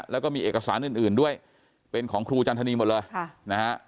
แล้วก็มีเอกสารอื่นด้วยเป็นของครูจันทนีหมดเลยนะฮะ